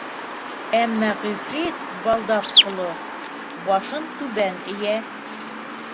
Әммә ғифрит, балдаҡ ҡоло, башын түбән эйә.